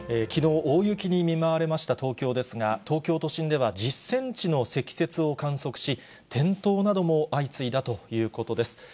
きのう、大雪に見舞われました東京ですが、東京都心では１０センチの積雪を観測し、転倒なども相次いだということです。